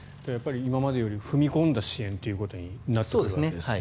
今までより踏み込んだ支援ということになってくるわけですね。